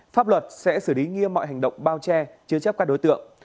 pháp luật sẽ xử lý nghiêm mọi hành động bao che chế chấp các đối tượng